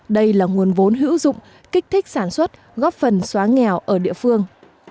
đây là nguồn vốn hữu dụng kích thích sản xuất góp phần xóa nghèo ở địa phương